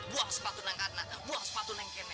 buang sepatu nengkana buang sepatu nengkene